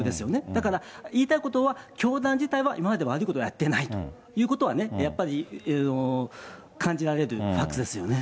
だから、言いたいことは、教団自体は今まで悪いことはやってないと、やっぱり感じられるファックスですよね。